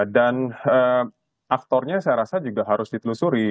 dan aktornya saya rasa juga harus ditelusuri